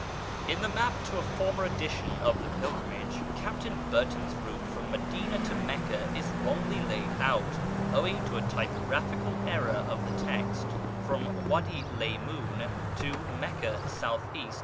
IN the map to a former edition of the Pilgrimage, Captain Burtons route from Madina to Meccah is wrongly laid down, owing to a typographical error of the text, From Wady Laymun to Meccah S.E.